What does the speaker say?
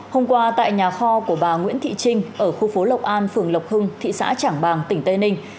hôm qua tại nhà kho của bà nguyễn thị trinh ở khu phố lộc an phường lộc hưng thị xã trảng bàng tỉnh tây ninh